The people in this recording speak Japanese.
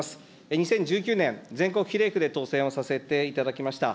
２０１９年、全国比例区で当選をさせていただきました。